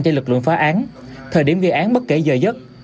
cho lực lượng phá án thời điểm gây án bất kể giờ giấc